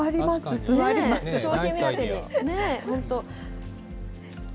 賞品目当てに、ねぇ、本当。